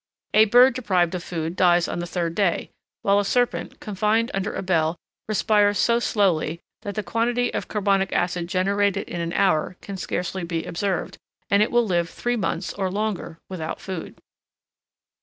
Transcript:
A bird deprived of food dies on the third day, while a serpent, confined under a bell, respires so slowly that the quantity of carbonic acid generated in an hour can scarcely be observed, and it will live three months, or longer, without food.